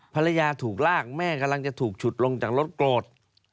ภรรยาถูกลากแม่กำลังจะถูกฉุดลงจากรถโกรธ